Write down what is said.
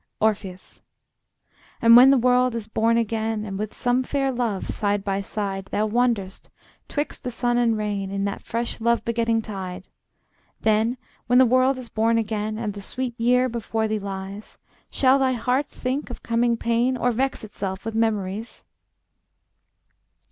Orpheus: And when the world is born again, And with some fair love, side by side, Thou wanderest 'twixt the sun and rain, In that fresh love begetting tide; Then, when the world is born again, And the sweet year before thee lies, Shall thy heart think of coming pain, Or vex itself with memories?